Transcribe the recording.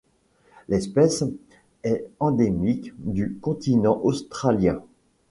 L'espèce est endémique du continent Australien.